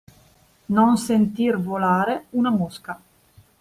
Non sentir volare una mosca.